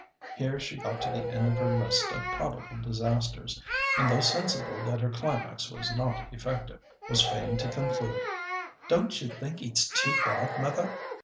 Here she got to the end of her list of probable disasters, and though sensible that her climax was not effective, was fain to conclude, "Don't you think it's too bad, mother?"